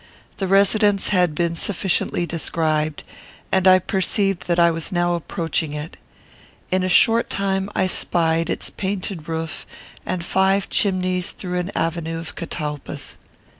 The residence had been sufficiently described, and I perceived that I was now approaching it. In a short time I spied its painted roof and five chimneys through an avenue of catalpas.